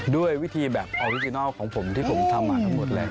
ด้วยวิธีแบบออริจินัลของผมที่ผมทำมาทั้งหมดเลย